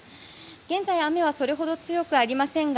現在、雨はそれほど強くありませんが